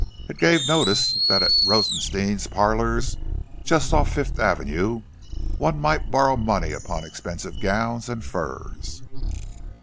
It gave notice that at Rosenstein's Parlours, just off Fifth Avenue, one might borrow money upon expensive gowns and furs!